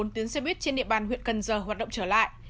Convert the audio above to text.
bốn tuyến xe buýt trên địa bàn huyện cần giờ hoạt động trở lại